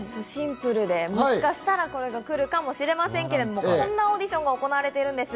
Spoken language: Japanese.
でもシンプルで、もしかしたらこれがくるかもしれませんけど、こんなオーディションが行われているんです。